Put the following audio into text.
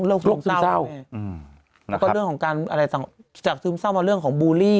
โรคซึมเศร้าแล้วก็เรื่องของการอะไรจากซึมเศร้ามาเรื่องของบูลลี่